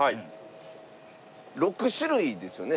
６種類ですよね？